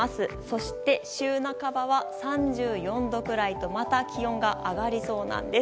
そして、週半ばは３４度くらいとまた気温が上がりそうなんです。